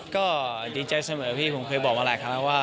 ก็ดีใจเสมอพี่ผมเคยบอกมาหลายครั้งแล้วว่า